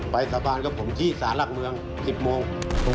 สาบานกับผมที่สารหลักเมือง๑๐โมง